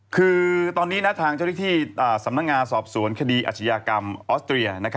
คือตอนนี้ทางเจ้าหน้าที่สำนักงานสอบสวนคดีอาชญากรรมออสเตรีย